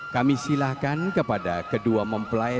kami silakan kepada kedua mempelai